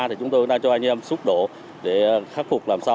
thì chúng tôi đang cho anh em xúc đổ để khắc phục làm sao